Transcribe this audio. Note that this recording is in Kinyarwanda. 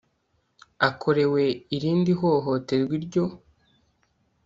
akorerwe irindi hohoterwa iryo